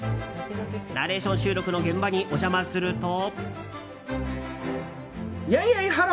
ナレーション収録の現場にお邪魔すると。